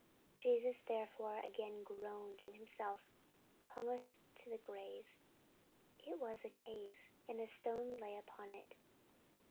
Jesus therefore again groaning in himself cometh to the grave. It was a cave, and a stone lay upon it.